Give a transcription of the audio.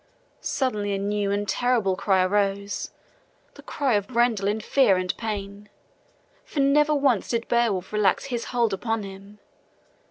Suddenly a new and terrible cry arose, the cry of Grendel in fear and pain, for never once did Beowulf relax his hold upon him.